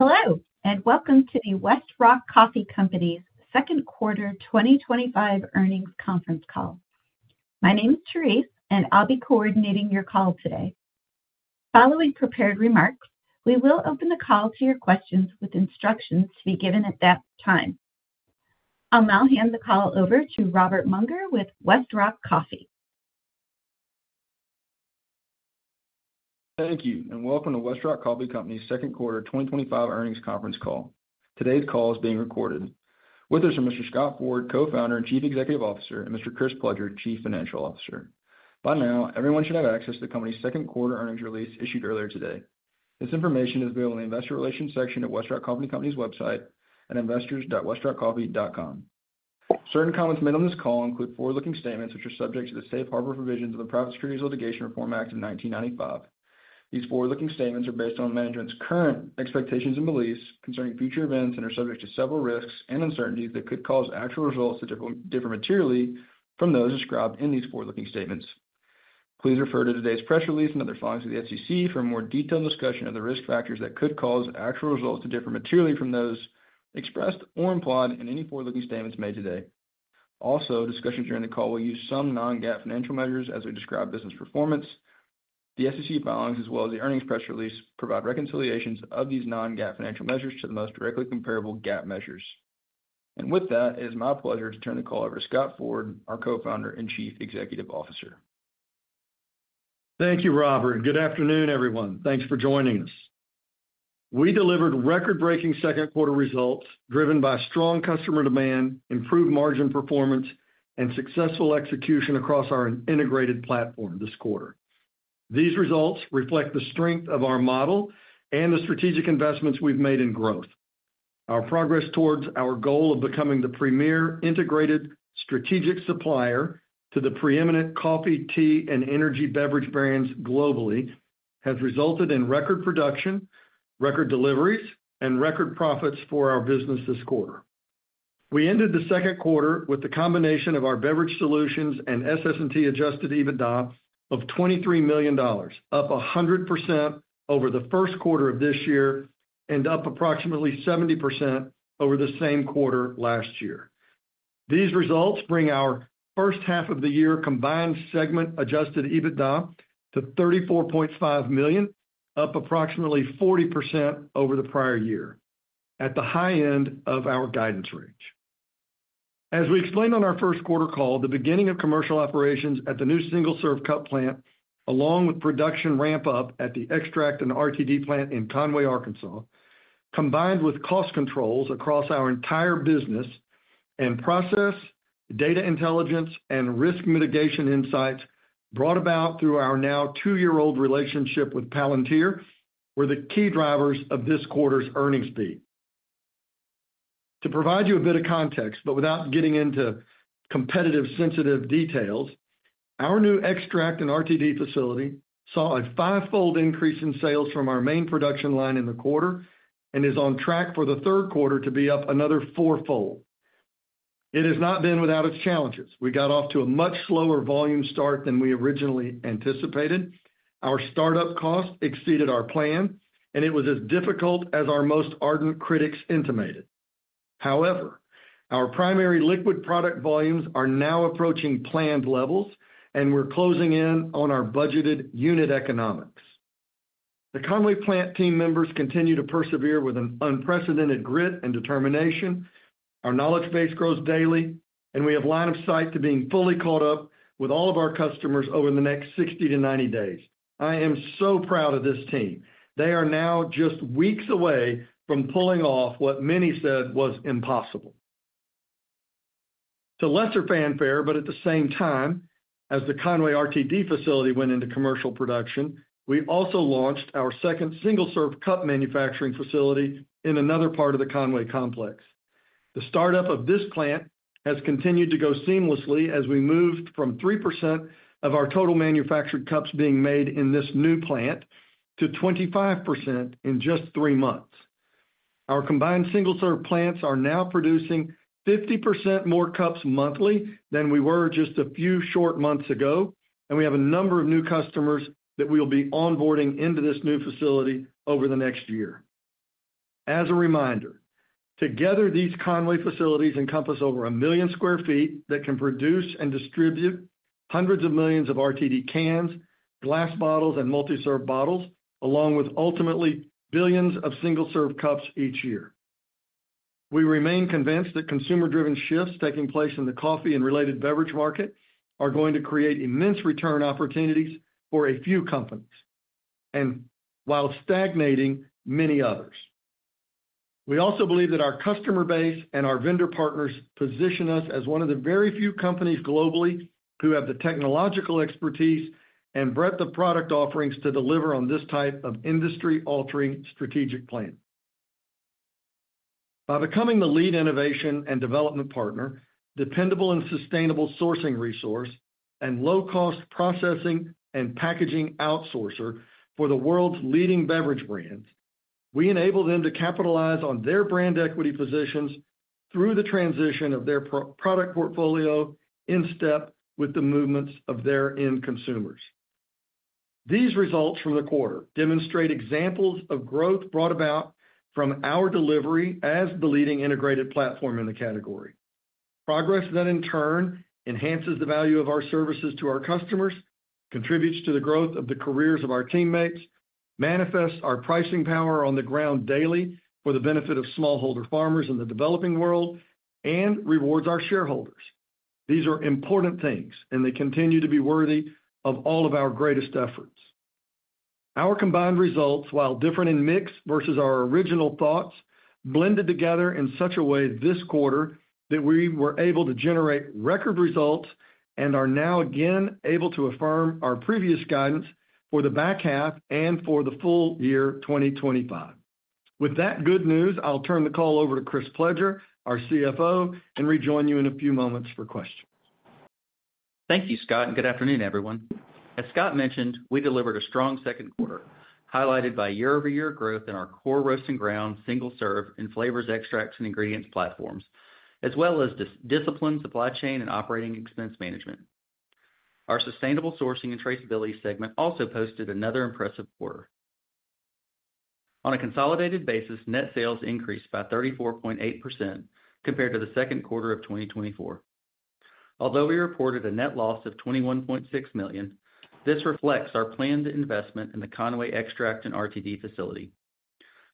Hello and welcome to the Westrock Coffee Company's Second Quarter 2025 Earnings Conference Call. My name is Therese, and I'll be coordinating your call today. Following prepared remarks, we will open the call to your questions with instructions to be given at that time. I'll now hand the call over to Robert Mounger with Westrock Coffee Company. Thank you, and welcome to Westrock Coffee Company's Second Quarter 2025 Earnings Conference Call. Today's call is being recorded. With us are Mr. Scott Ford, Co-Founder and Chief Executive Officer, and Mr. Chris Pledger, Chief Financial Officer. By now, everyone should have access to the company's second quarter earnings release issued earlier today. This information is available in the Investor Relations section of Westrock Coffee Company's website at investors.westrockcoffee.com. Certain comments made on this call include forward-looking statements which are subject to the safe harbor provisions of the Private Securities Litigation Reform Act of 1995. These forward-looking statements are based on management's current expectations and beliefs concerning future events and are subject to several risks and uncertainties that could cause actual results to differ materially from those described in these forward-looking statements. Please refer to today's press release and other filings of the SEC for a more detailed discussion of the risk factors that could cause actual results to differ materially from those expressed or implied in any forward-looking statements made today. Also, discussion during the call will use some non-GAAP financial measures as they describe business performance. The SEC filings, as well as the earnings press release, provide reconciliations of these non-GAAP financial measures to the most directly comparable GAAP measures. It is my pleasure to turn the call over to Scott Ford, our Co-Founder and Chief Executive Officer. Thank you, Robert. Good afternoon, everyone. Thanks for joining us. We delivered record-breaking second quarter results driven by strong customer demand, improved margin performance, and successful execution across our integrated platform this quarter. These results reflect the strength of our model and the strategic investments we've made in growth. Our progress towards our goal of becoming the premier integrated strategic supplier to the preeminent coffee, tea, and energy beverage brands globally has resulted in record production, record deliveries, and record profits for our business this quarter. We ended the second quarter with the combination of our beverage solutions and SS&T adjusted EBITDA of $23 million, up 100% over the first quarter of this year and up approximately 70% over the same quarter last year. These results bring our first half of the year combined segment adjusted EBITDA to $34.5 million, up approximately 40% over the prior year, at the high end of our guidance range. As we explained on our first quarter call, the beginning of commercial operations at the new single-serve cup plant, along with production ramp-up at the extract and RTD plant in Conway, Arkansas, combined with cost controls across our entire business, and process data intelligence and risk mitigation insights brought about through our now two-year-old relationship with Palantir, were the key drivers of this quarter's earnings beat. To provide you a bit of context, but without getting into competitive sensitive details, our new extract and RTD facility saw a five-fold increase in sales from our main production line in the quarter and is on track for the third quarter to be up another four-fold. It has not been without its challenges. We got off to a much slower volume start than we originally anticipated. Our startup costs exceeded our plan, and it was as difficult as our most ardent critics intimated. However, our primary liquid product volumes are now approaching planned levels, and we're closing in on our budgeted unit economics. The Conway plant team members continue to persevere with an unprecedented grit and determination. Our knowledge base grows daily, and we have line of sight to being fully caught up with all of our customers over the next 60-90 days. I am so proud of this team. They are now just weeks away from pulling off what many said was impossible. To lesser fanfare, but at the same time, as the Conway RTD facility went into commercial production, we also launched our second single-serve cup manufacturing facility in another part of the Conway complex. The startup of this plant has continued to go seamlessly as we moved from 3% of our total manufactured cups being made in this new plant to 25% in just three months. Our combined single-serve plants are now producing 50% more cups monthly than we were just a few short months ago, and we have a number of new customers that we'll be onboarding into this new facility over the next year. As a reminder, together these Conway facilities encompass over 1 million sq ft that can produce and distribute hundreds of millions of RTD cans, glass bottles, and multi-serve bottles, along with ultimately billions of single-serve cups each year. We remain convinced that consumer-driven shifts taking place in the coffee and related beverage market are going to create immense return opportunities for a few companies, while stagnating many others. We also believe that our customer base and our vendor partners position us as one of the very few companies globally who have the technological expertise and breadth of product offerings to deliver on this type of industry-altering strategic plan. By becoming the lead innovation and development partner, dependable and sustainable sourcing resource, and low-cost processing and packaging outsourcer for the world's leading beverage brands, we enable them to capitalize on their brand equity positions through the transition of their product portfolio in step with the movements of their end consumers. These results from the quarter demonstrate examples of growth brought about from our delivery as the leading integrated platform in the category. Progress that in turn enhances the value of our services to our customers, contributes to the growth of the careers of our teammates, manifests our pricing power on the ground daily for the benefit of smallholder farmers in the developing world, and rewards our shareholders. These are important things, and they continue to be worthy of all of our greatest efforts. Our combined results, while different in mix versus our original thoughts, blended together in such a way this quarter that we were able to generate record results and are now again able to affirm our previous guidance for the back half and for the full year 2025. With that good news, I'll turn the call over to Chris Pledger, our CFO, and rejoin you in a few moments for questions. Thank you, Scott, and good afternoon, everyone. As Scott mentioned, we delivered a strong second quarter highlighted by year-over-year growth in our core roasting grounds, single-serve, and flavors, extracts, and ingredients platforms, as well as discipline, supply chain, and operating expense management. Our Sustainable Sourcing & Traceability segment also posted another impressive quarter. On a consolidated basis, net sales increased by 34.8% compared to the second quarter of 2024. Although we reported a net loss of $21.6 million, this reflects our planned investment in the Conway extract and RTD facility.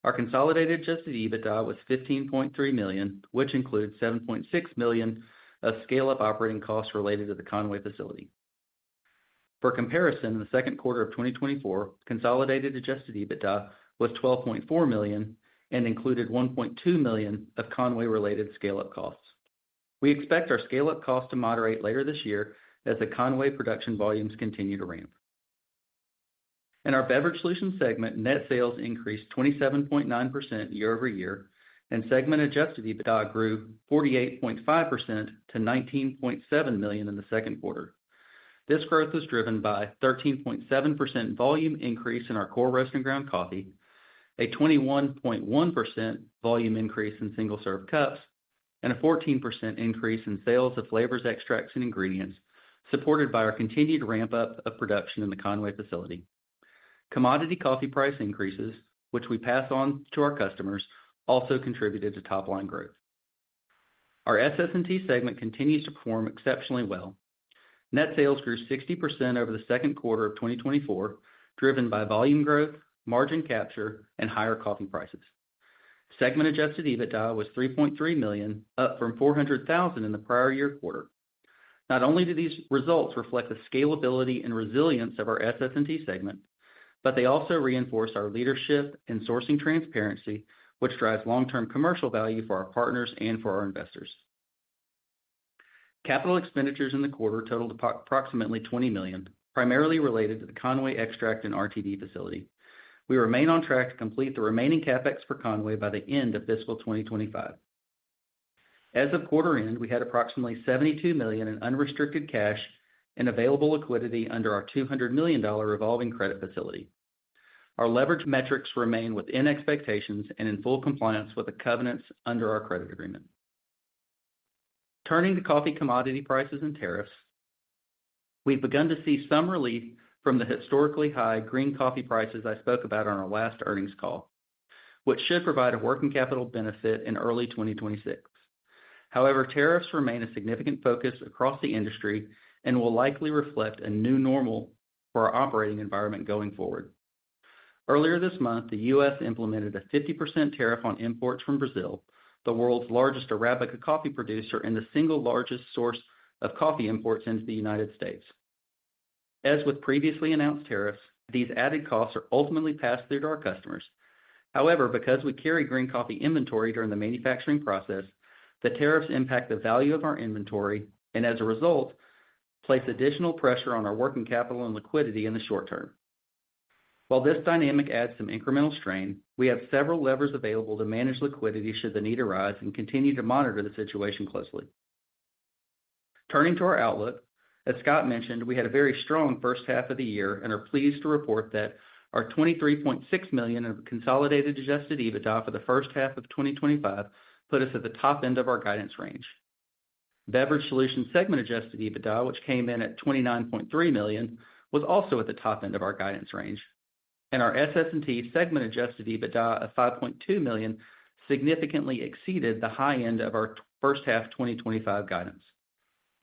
Our consolidated adjusted EBITDA was $15.3 million, which includes $7.6 million of scale-up operating costs related to the Conway facility. For comparison, in the second quarter of 2024, consolidated adjusted EBITDA was $12.4 million and included $1.2 million of Conway-related scale-up costs. We expect our scale-up costs to moderate later this year as the Conway production volumes continue to ramp. In our beverage solution segment, net sales increased 27.9% year-over-year, and segment adjusted EBITDA grew 48.5% to $19.7 million in the second quarter. This growth was driven by a 13.7% volume increase in our core roasting ground coffee, a 21.1% volume increase in single-serve cups, and a 14% increase in sales of flavors, extracts, and ingredients, supported by our continued ramp-up of production in the Conway facility. Commodity coffee price increases, which we pass on to our customers, also contributed to top-line growth. Our Sustainable Sourcing & Traceability segment continues to perform exceptionally well. Net sales grew 60% over the second quarter of 2024, driven by volume growth, margin capture, and higher coffee prices. Segment adjusted EBITDA was $3.3 million, up from $400,000 in the prior year quarter. Not only do these results reflect the scalability and resilience of our SST segment, but they also reinforce our leadership and sourcing transparency, which drives long-term commercial value for our partners and for our investors. Capital expenditures in the quarter totaled approximately $20 million, primarily related to the Conway extract and RTD facility. We remain on track to complete the remaining capital expenditures for Conway by the end of fiscal 2025. As of quarter end, we had approximately $72 million in unrestricted cash and available liquidity under our $200 million revolving credit facility. Our leverage metrics remain within expectations and in full compliance with the covenants under our credit agreement. Turning to coffee commodity prices and tariffs, we've begun to see some relief from the historically high green coffee prices I spoke about on our last earnings call, which should provide a working capital benefit in early 2026. However, tariffs remain a significant focus across the industry and will likely reflect a new normal for our operating environment going forward. Earlier this month, the U.S. implemented a 50% tariff on imports from Brazil, the world's largest Arabica coffee producer and the single largest source of coffee imports into the United States. As with previously announced tariffs, these added costs are ultimately passed through to our customers. However, because we carry green coffee inventory during the manufacturing process, the tariffs impact the value of our inventory and, as a result, place additional pressure on our working capital and liquidity in the short term. While this dynamic adds some incremental strain, we have several levers available to manage liquidity should the need arise and continue to monitor the situation closely. Turning to our outlook, as Scott mentioned, we had a very strong first half of the year and are pleased to report that our $23.6 million of consolidated adjusted EBITDA for the first half of 2025 put us at the top end of our guidance range. Beverage solution segment adjusted EBITDA, which came in at $29.3 million, was also at the top end of our guidance range, and our SS&T segment adjusted EBITDA of $5.2 million significantly exceeded the high end of our first half 2025 guidance.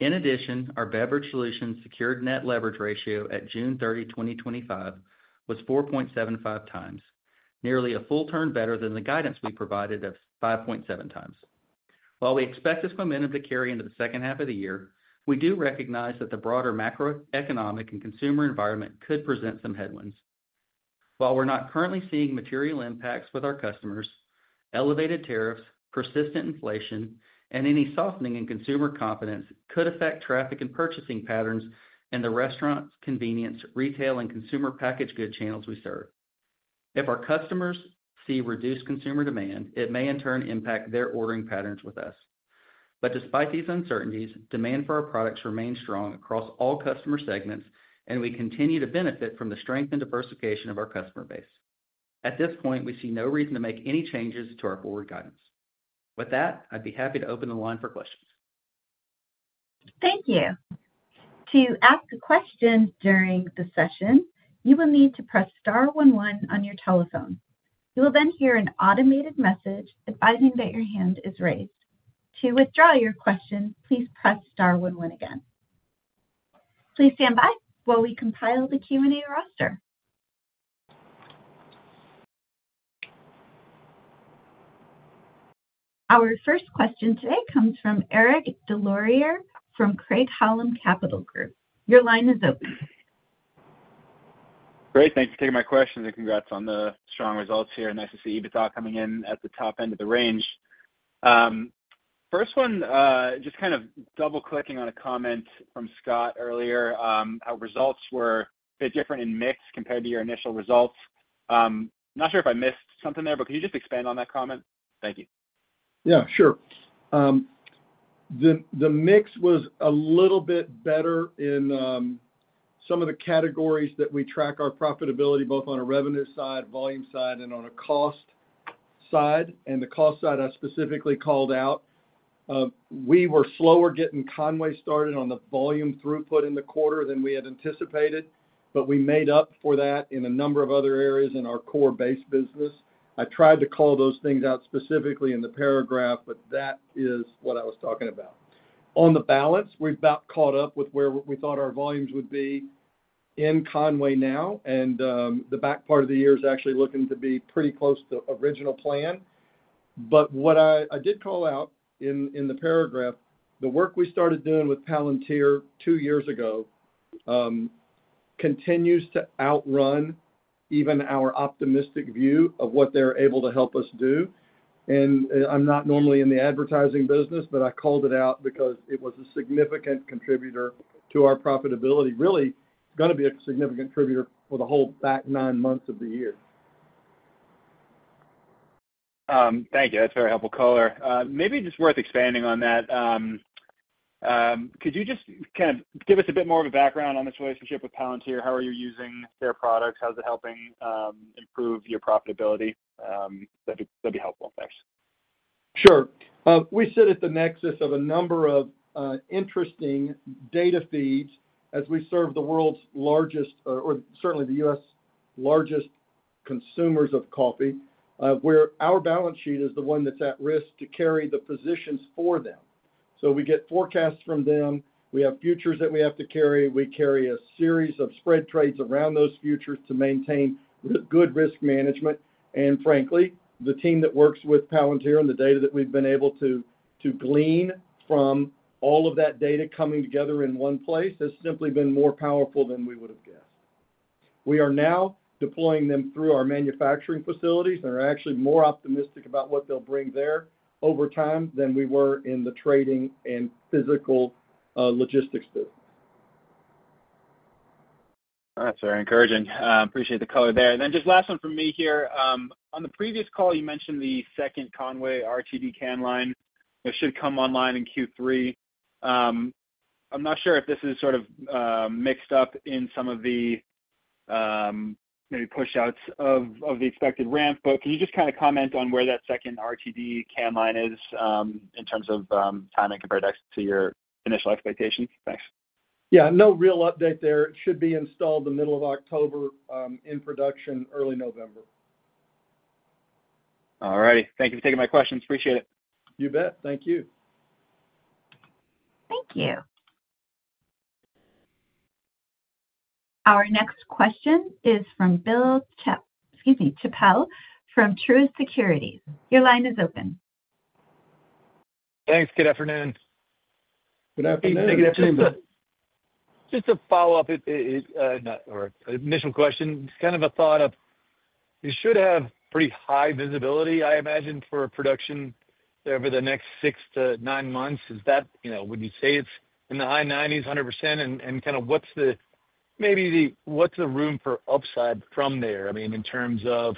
In addition, our beverage solution secured net leverage ratio at June 30, 2025, was 4.75x, nearly a full turn better than the guidance we provided of 5.7x. While we expect this momentum to carry into the second half of the year, we do recognize that the broader macroeconomic and consumer environment could present some headwinds. While we're not currently seeing material impacts with our customers, elevated tariffs, persistent inflation, and any softening in consumer confidence could affect traffic and purchasing patterns in the restaurants, convenience, retail, and consumer packaged goods channels we serve. If our customers see reduced consumer demand, it may in turn impact their ordering patterns with us. Despite these uncertainties, demand for our products remains strong across all customer segments, and we continue to benefit from the strength and diversification of our customer base. At this point, we see no reason to make any changes to our forward guidance. With that, I'd be happy to open the line for questions. Thank you. To ask a question during the session, you will need to press star one one on your telephone. You will then hear an automated message advising that your hand is raised. To withdraw your question, please press star one one again. Please stand by while we compile the Q&A roster. Our first question today comes from Eric Des Lauriers from Craig-Hallum Capital Group. Your line is open. Great. Thanks for taking my questions and congrats on the strong results here. Nice to see EBITDA coming in at the top end of the range. First one, just kind of double-clicking on a comment from Scott earlier, our results were a bit different in mix compared to your initial results. I'm not sure if I missed something there, but could you just expand on that comment? Thank you. Yeah, sure. The mix was a little bit better in some of the categories that we track our profitability, both on a revenue side, volume side, and on a cost side. On the cost side I specifically called out, we were slower getting Conway started on the volume throughput in the quarter than we had anticipated, but we made up for that in a number of other areas in our core base business. I tried to call those things out specifically in the paragraph, that is what I was talking about. On the balance, we've about caught up with where we thought our volumes would be in Conway now, and the back part of the year is actually looking to be pretty close to the original plan. What I did call out in the paragraph, the work we started doing with Palantir two years ago continues to outrun even our optimistic view of what they're able to help us do. I'm not normally in the advertising business, but I called it out because it was a significant contributor to our profitability, really going to be a significant contributor for the whole back nine months of the year. Thank you. That's a very helpful caller. Maybe just worth expanding on that. Could you just kind of give us a bit more of a background on this relationship with Palantir? How are you using their products? How is it helping improve your profitability? That'd be helpful. Thanks. Sure. We sit at the nexus of a number of interesting data feeds as we serve the world's largest, or certainly the U.S. largest consumers of coffee, where our balance sheet is the one that's at risk to carry the positions for them. We get forecasts from them. We have futures that we have to carry. We carry a series of spread trades around those futures to maintain good risk management. Frankly, the team that works with Palantir and the data that we've been able to glean from all of that data coming together in one place has simply been more powerful than we would have guessed. We are now deploying them through our manufacturing facilities, and they're actually more optimistic about what they'll bring there over time than we were in the trading and physical logistics business. That's very encouraging. I appreciate the color there. Just last one from me here. On the previous call, you mentioned the second Conway RTD can line that should come online in Q3. I'm not sure if this is sort of mixed up in some of the maybe push-outs of the expected ramp, but can you just kind of comment on where that second RTD can line is in terms of time and compared to your initial expectations? Thanks. Yeah, no real update there. It should be installed in the middle of October, in production early November. All right. Thank you for taking my questions. Appreciate it. You bet. Thank you. Thank you. Our next question is from Bill Chappell from Truist Securities. Your line is open. Thanks. Good afternoon. Good afternoon. Just a follow-up, not our initial question. It's kind of a thought of you should have pretty high visibility, I imagine, for production over the next six to nine months. Is that, you know, would you say it's in the high 90%s, 100%? What's the, maybe the, what's the room for upside from there? I mean, in terms of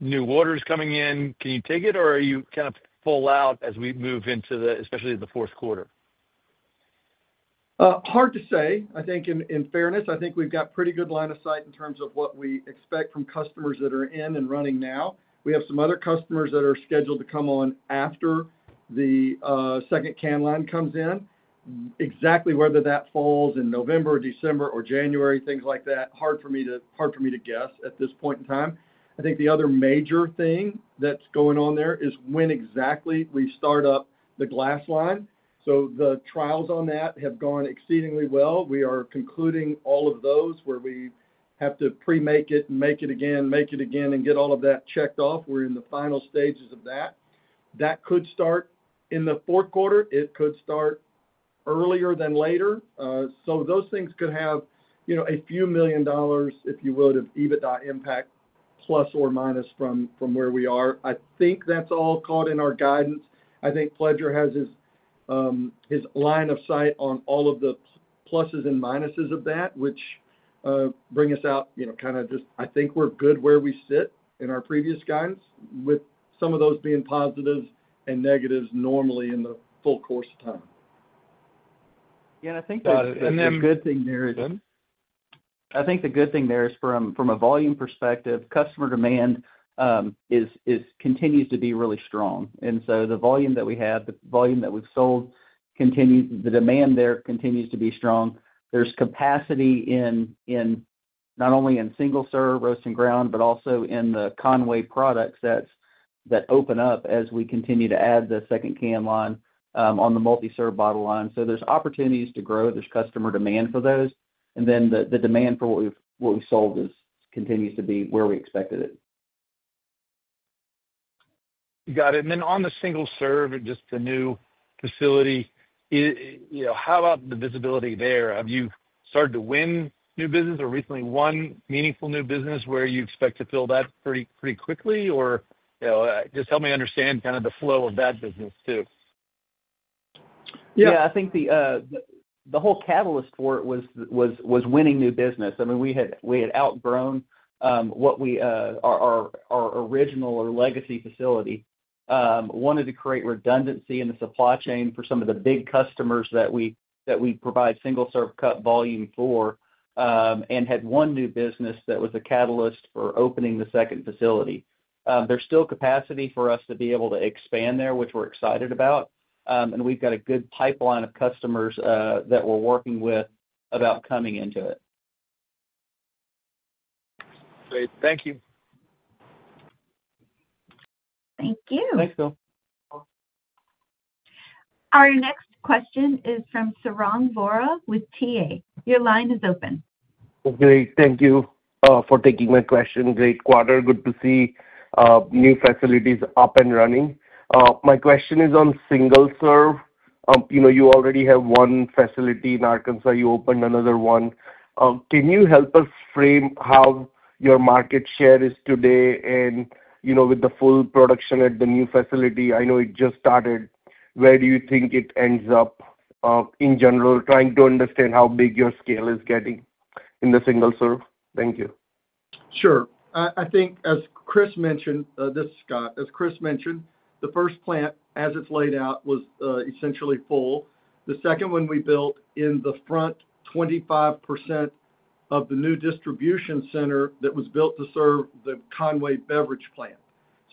new orders coming in, can you take it, or are you kind of full out as we move into the, especially the fourth quarter? Hard to say. I think in fairness, I think we've got pretty good line of sight in terms of what we expect from customers that are in and running now. We have some other customers that are scheduled to come on after the second can line comes in. Exactly whether that falls in November, December, or January, things like that, hard for me to guess at this point in time. I think the other major thing that's going on there is when exactly we start up the glass line. The trials on that have gone exceedingly well. We are concluding all of those where we have to pre-make it, make it again, make it again, and get all of that checked off. We're in the final stages of that. That could start in the fourth quarter. It could start earlier than later. Those things could have, you know, a few million dollars, if you will, of EBITDA impact plus or minus from where we are. I think that's all caught in our guidance. I think Pledger has his line of sight on all of the pluses and minuses of that, which bring us out, you know, kind of just, I think we're good where we sit in our previous guidance with some of those being positives and negatives normally in the full course of time. I think the good thing there is from a volume perspective, customer demand continues to be really strong. The volume that we have, the volume that we've sold continues, the demand there continues to be strong. There's capacity not only in single-serve roasting ground, but also in the Conway products that open up as we continue to add the second can line on the multi-serve bottle line. There are opportunities to grow. There's customer demand for those, and the demand for what we've sold continues to be where we expected it. You got it. On the single-serve, just the new facility, how about the visibility there? Have you started to win new business or recently won meaningful new business where you expect to fill that pretty quickly? Help me understand kind of the flow of that business too. Yeah, I think the whole catalyst for it was winning new business. I mean, we had outgrown what we are, our original or legacy facility. We wanted to create redundancy in the supply chain for some of the big customers that we provide single-serve cup volume for and had won new business that was a catalyst for opening the second facility. There's still capacity for us to be able to expand there, which we're excited about. We've got a good pipeline of customers that we're working with about coming into it. Great. Thank you. Thank you. Thanks, Bill. Our next question is from Sarang Vora with Telsey. Your line is open. Okay. Thank you for taking my question. Great quarter. Good to see new facilities up and running. My question is on single-serve. You know, you already have one facility in Arkansas. You opened another one. Can you help us frame how your market share is today and, you know, with the full production at the new facility? I know it just started. Where do you think it ends up in general? Trying to understand how big your scale is getting in the single-serve. Thank you. Sure. I think, as Chris mentioned, this is Scott. As Chris mentioned, the first plant, as it's laid out, was essentially full. The second one we built in the front 25% of the new distribution center that was built to serve the Conway beverage plant.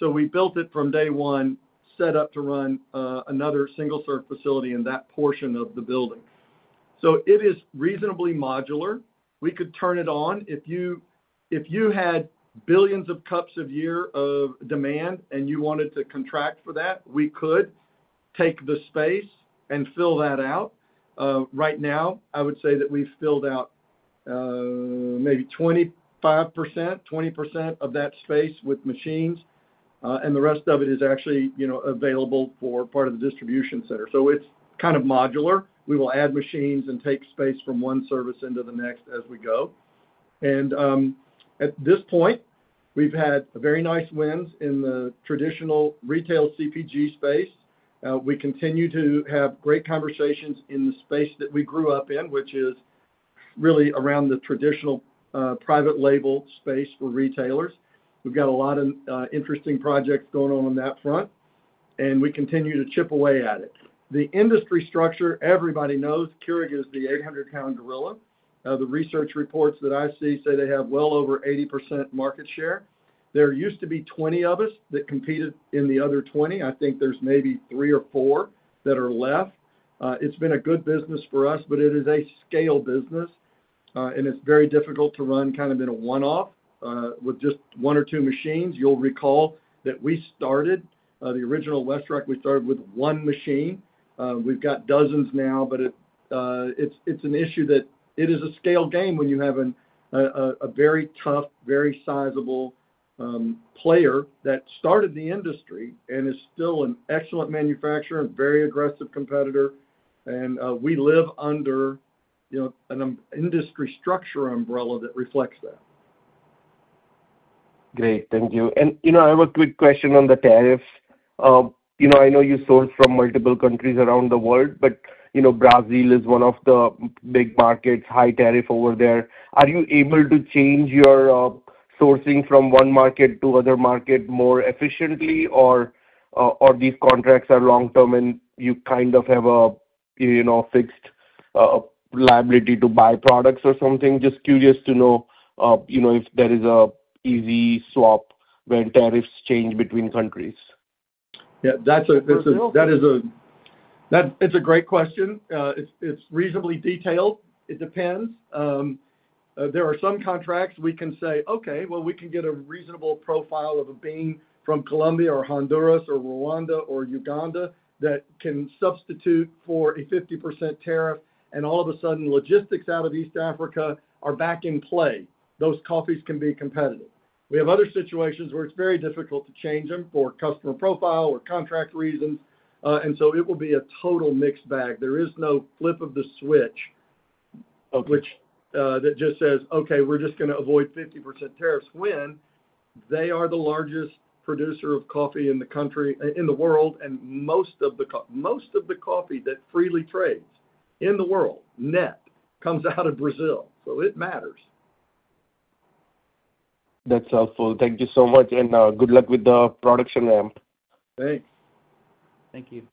We built it from day one, set up to run another single-serve facility in that portion of the building. It is reasonably modular. We could turn it on. If you had billions of cups a year of demand and you wanted to contract for that, we could take the space and fill that out. Right now, I would say that we've filled out maybe 25%, 20% of that space with machines, and the rest of it is actually available for part of the distribution center. It is kind of modular. We will add machines and take space from one service into the next as we go. At this point, we've had very nice wins in the traditional retail CPG space. We continue to have great conversations in the space that we grew up in, which is really around the traditional private label space for retailers. We've got a lot of interesting projects going on on that front, and we continue to chip away at it. The industry structure, everybody knows, Keurig is the 800 lbs gorilla. The research reports that I see say they have well over 80% market share. There used to be 20 of us that competed in the other 20. I think there's maybe three or four that are left. It's been a good business for us, but it is a scale business, and it's very difficult to run kind of in a one-off with just one or two machines. You'll recall that we started the original Westrock. We started with one machine. We've got dozens now, but it's an issue that it is a scale game when you have a very tough, very sizable player that started the industry and is still an excellent manufacturer and a very aggressive competitor. We live under an industry structure umbrella that reflects that. Great. Thank you. I have a quick question on the tariffs. I know you source from multiple countries around the world, but Brazil is one of the big markets, high tariff over there. Are you able to change your sourcing from one market to another market more efficiently, or are these contracts long-term and you kind of have a fixed liability to buy products or something? Just curious to know if there is an easy swap when tariffs change between countries. Yeah, that's a great question. It's reasonably detailed. It depends. There are some contracts we can say, okay, we can get a reasonable profile of a bean from Colombia or Honduras or Rwanda or Uganda that can substitute for a 50% tariff, and all of a sudden, logistics out of East Africa are back in play. Those coffees can be competitive. We have other situations where it's very difficult to change them for customer profile or contract reasons, and it will be a total mixed bag. There is no flip of the switch that just says, okay, we're just going to avoid 50% tariffs when they are the largest producer of coffee in the world, and most of the coffee that freely trades in the world net comes out of Brazil. It matters. That's helpful. Thank you so much, and good luck with the production ramp. Thanks. Thank you.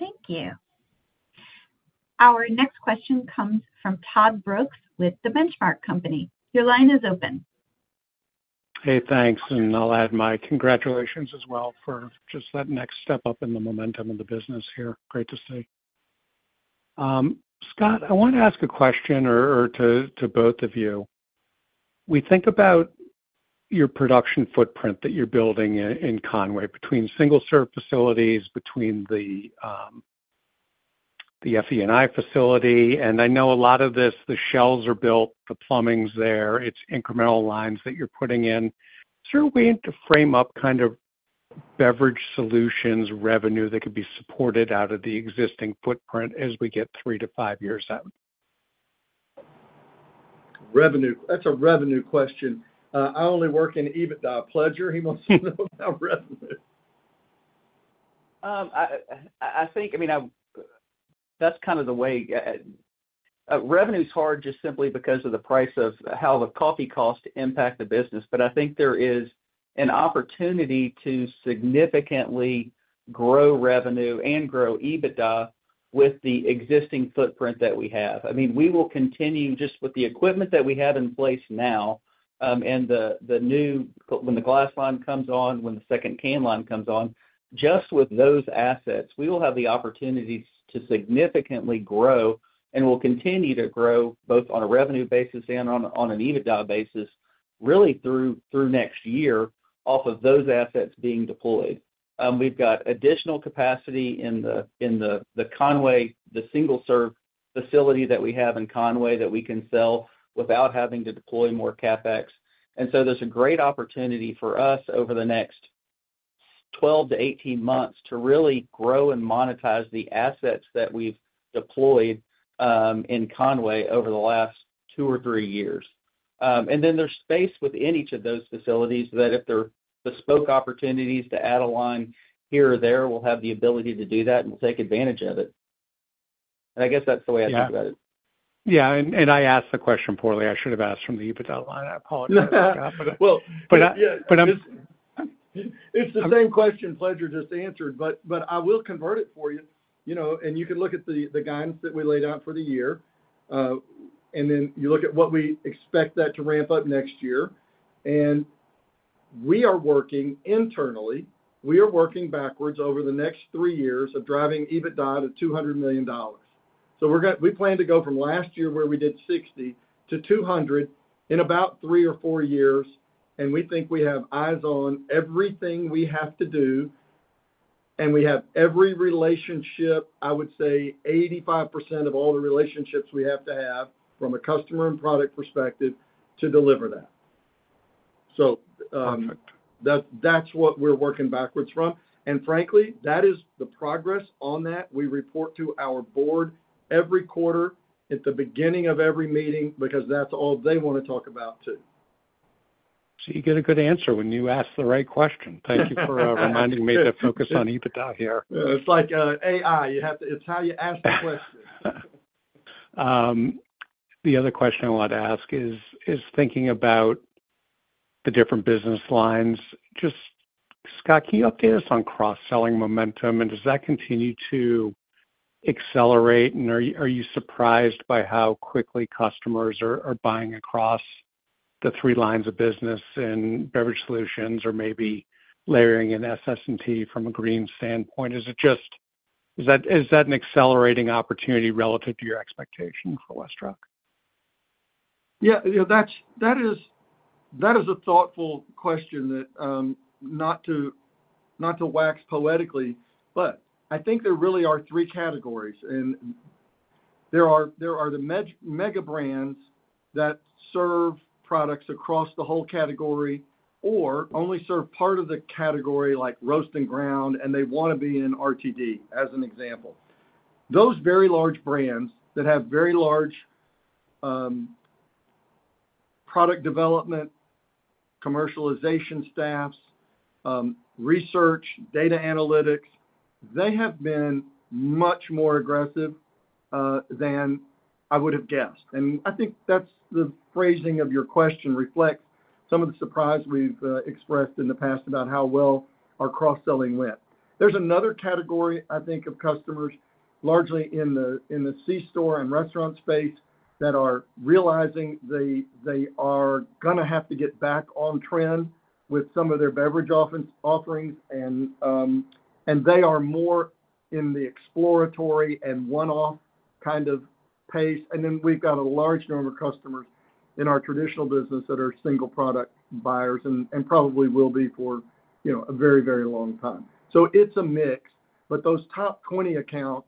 Thank you. Our next question comes from Todd Brooks with The Benchmark Company. Your line is open. Hey, thanks. I'll add my congratulations as well for just that next step up in the momentum of the business here. Great to see. Scott, I want to ask a question to both of you. We think about your production footprint that you're building in Conway between single-serve facilities, between the FE&I facility. I know a lot of this, the shelves are built, the plumbing's there. It's incremental lines that you're putting in. Is there a way to frame up kind of beverage solutions revenue that could be supported out of the existing footprint as we get three to five years out? That's a revenue question. I only work in EBITDA.Pledger, he wants to know about revenue. I think that's kind of the way revenue is hard just simply because of the price of how the coffee costs impact the business. I think there is an opportunity to significantly grow revenue and grow EBITDA with the existing footprint that we have. We will continue just with the equipment that we have in place now and when the glass line comes on, when the second can line comes on, just with those assets, we will have the opportunities to significantly grow and will continue to grow both on a revenue basis and on an EBITDA basis really through next year off of those assets being deployed. We've got additional capacity in the Conway, the single-serve facility that we have in Conway that we can sell without having to deploy more CapEx. There's a great opportunity for us over the next 12-18 months to really grow and monetize the assets that we've deployed in Conway over the last two or three years. There's space within each of those facilities that if there are bespoke opportunities to add a line here or there, we'll have the ability to do that and take advantage of it. I guess that's the way I think about it. Yeah, I asked the question poorly. I should have asked from the EBITDA line. I apologize, Scott. It's the same question Chris Pledger just answered, but I will convert it for you. You can look at the guidance that we laid out for the year, and then you look at what we expect that to ramp up next year. We are working internally, we are working backwards over the next three years of driving EBITDA to $200 million. We plan to go from last year where we did $60 million to $200 million in about three or four years. We think we have eyes on everything we have to do, and we have every relationship, I would say 85% of all the relationships we have to have from a customer and product perspective to deliver that. That's what we're working backwards from. Frankly, that is the progress on that. We report to our board every quarter at the beginning of every meeting because that's all they want to talk about too. You get a good answer when you ask the right question. Thank you for reminding me to focus on EBITDA here. It's like AI. You have to, it's how you ask the question. The other question I wanted to ask is thinking about the different business lines. Scott, can you update us on cross-selling momentum? Does that continue to accelerate? Are you surprised by how quickly customers are buying across the three lines of business in beverage solutions or maybe layering in SS&T from a green standpoint? Is that an accelerating opportunity relative to your expectation for Westrock? Yeah, you know, that is a thoughtful question. Not to wax poetically, but I think there really are three categories. There are the mega brands that serve products across the whole category or only serve part of the category like roast and ground, and they want to be in RTD as an example. Those very large brands that have very large product development, commercialization staffs, research, data analytics, they have been much more aggressive than I would have guessed. I think the phrasing of your question reflects some of the surprise we've expressed in the past about how well our cross-selling went. There's another category, I think, of customers largely in the C-store and restaurant space that are realizing they are going to have to get back on trend with some of their beverage offerings. They are more in the exploratory and one-off kind of pace. Then we've got a large number of customers in our traditional business that are single product buyers and probably will be for, you know, a very, very long time. It's a mix, but those top 20 accounts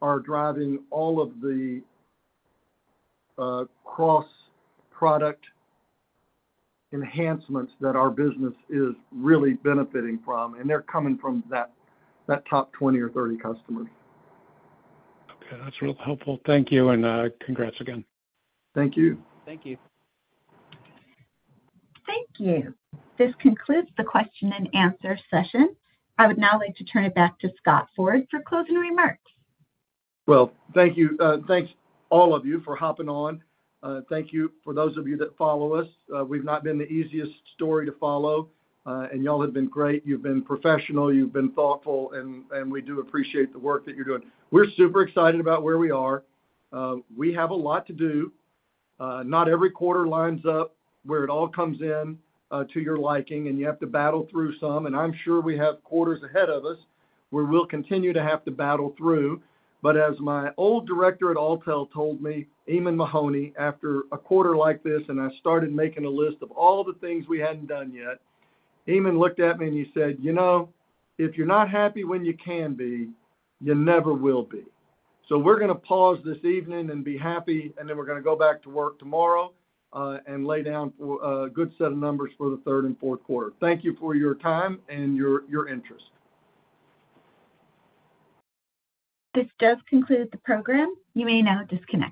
are driving all of the cross-product enhancements that our business is really benefiting from. They're coming from that top 20 or 30 customers. Okay, that's really helpful. Thank you, and congrats again. Thank you. Thank you. Thank you. This concludes the question-and-answer session. I would now like to turn it back to Scott Ford for closing remarks. Thank you. Thanks all of you for hopping on. Thank you for those of you that follow us. We've not been the easiest story to follow. You all have been great. You've been professional. You've been thoughtful. We do appreciate the work that you're doing. We're super excited about where we are. We have a lot to do. Not every quarter lines up where it all comes in to your liking, and you have to battle through some. I'm sure we have quarters ahead of us where we'll continue to have to battle through. As my old director at Alltel told me, Emon Mahoney, after a quarter like this, and I started making a list of all the things we hadn't done yet, Emon looked at me and he said, "You know, if you're not happy when you can be, you never will be." We're going to pause this evening and be happy, and then we're going to go back to work tomorrow and lay down a good set of numbers for the third and fourth quarter. Thank you for your time and your interest. This does conclude the program. You may now disconnect.